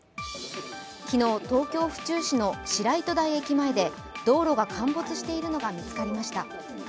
昨日、東京・府中市の白糸台駅前で道路が陥没しているのが見つかりました。